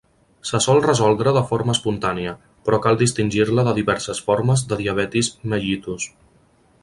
Se sol resoldre de forma espontània, però cal distingir-la de diverses formes de diabetis mellitus.